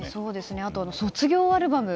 あとは卒業アルバム。